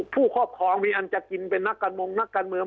ครอบครองมีอันจะกินเป็นนักการมงนักการเมือง